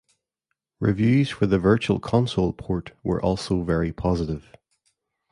Reviews for the Virtual Console port were also very positive.